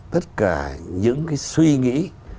tất cả những cái suy nghĩ